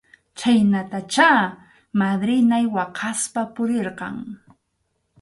Chhaynatachá madrinay waqaspa purirqan.